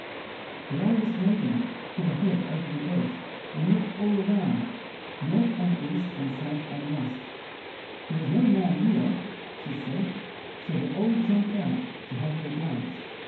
The eldest maiden put her head over the edge and looked all around, north and east and south and west. "There is no man here," she said. So they all jumped out to have their dance.